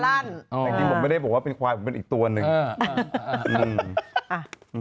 แต่จริงผมไม่ได้บอกว่าเป็นควายผมเป็นอีกตัวหนึ่ง